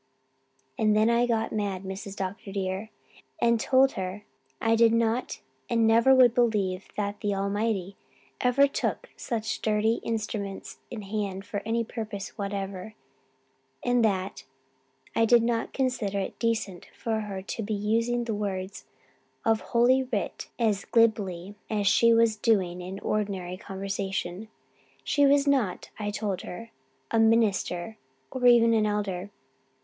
And then I got mad, Mrs. Dr. dear, and told her I did not and never would believe that the Almighty ever took such dirty instruments in hand for any purpose whatever, and that I did not consider it decent for her to be using the words of Holy Writ as glibly as she was doing in ordinary conversation. She was not, I told her, a minister or even an elder.